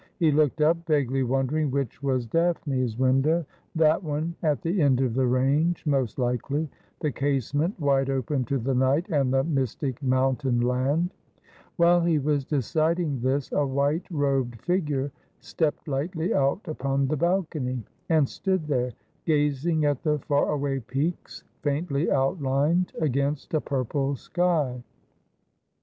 He looked up, vaguely wondering which was Daphne's window. That one, at the end of the range, most likely — the casement wide open to the night and the mystic mountain land. While he was deciding this a white robed figure stepped lightly out upon the balcony, and stood there, gazing at the far away peaks faintly outlined against a purple sky.